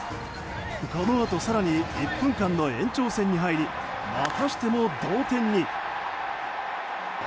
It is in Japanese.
このあと更に１分間の延長戦に入りまたしても同点に。